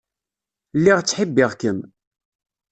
Lliɣ ttḥibbiɣ-kem.